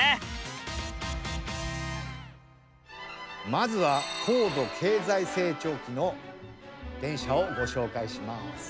まずは高度経済成長期の電車をご紹介します。